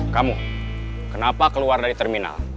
kamu kenapa keluar dari terminal